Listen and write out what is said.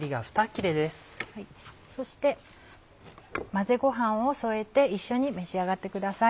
そして混ぜごはんを添えて一緒に召し上がってください。